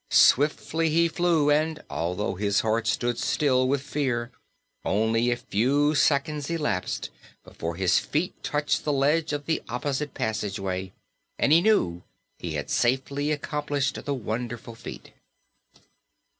Swiftly he flew and, although his heart stood still with fear, only a few seconds elapsed before his feet touched the ledge of the opposite passageway and he knew he had safely accomplished the wonderful feat.